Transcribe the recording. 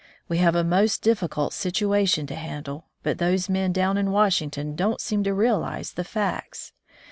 We have a most difficult situation to handle, but those men down in Washington don't seem to realize the facts.